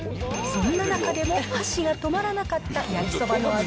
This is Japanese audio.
そんな中でも箸が止まらなかった焼きそばの味